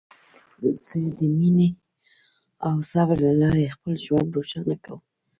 زه د مینې او صبر له لارې خپل ژوند روښانه کوم.